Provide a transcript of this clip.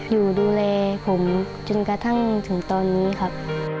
อยู่ดูแลผมจนกระทั่งถึงตอนนี้ครับ